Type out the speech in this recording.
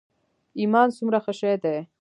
ایمان څومره ښه شی دی.